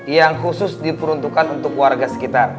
yang khusus diperuntukkan untuk warga sekitar